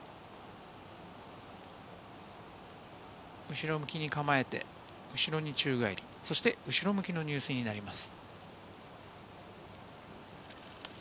後ろ向きに構えて、後ろに宙返り、そして後ろ向きの入水になります。